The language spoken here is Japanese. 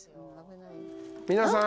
皆さん。